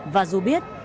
và dù biết